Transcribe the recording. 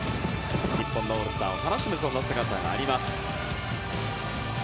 日本のオールスターを楽しむ姿がありました。